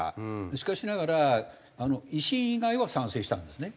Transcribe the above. しかしながら維新以外は賛成したんですね。